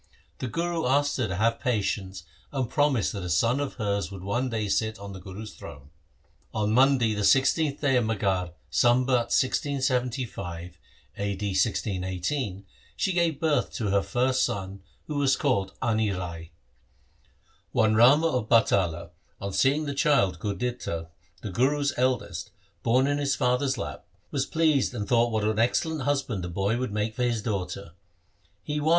The Guru asked her to have patience and promised that a son of hers should one day sit on the Guru's throne. On Monday the 16th day of Maghar, Sambat 1675 (a.d. 1618), she gave birth to her first son who was called Ani Rai. One Rama of Batala on seeing the child Gurditta the Guru's eldest born in his father's lap, was pleased and thought what an excellent husband the boy would make for his daughter. He was.